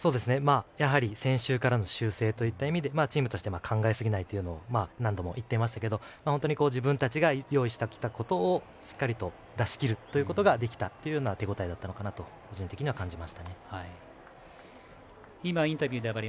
やはり先週からの修正といった意味でチームとして考えすぎないというのを何度も言っていましたけど本当に自分たちが用意してきたことをしっかりと出し切ることができたという手応えだったのかなと個人的には感じましたね。